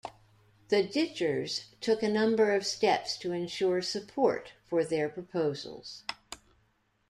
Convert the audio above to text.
The ditchers took a number of steps to ensure support for their proposals.